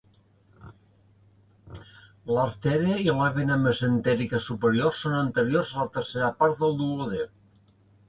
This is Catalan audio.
L'artèria i la vena mesentèriques superiors són anteriors a la tercera part del duodè.